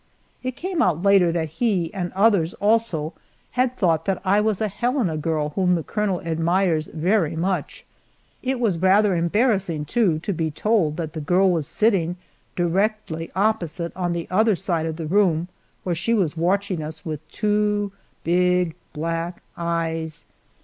It came out later that he, and others also, had thought that I was a Helena girl whom the colonel admires very much. It was rather embarrassing, too, to be told that the girl was sitting directly opposite on the other side of the room, where she was watching us with two big, black eyes.